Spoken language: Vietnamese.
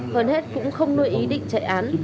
hơn hết cũng không nuôi ý định chạy án